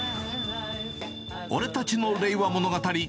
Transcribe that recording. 俺たちの令和物語。